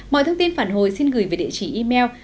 mọi thông tin phản hồi xin gửi về địa chỉ email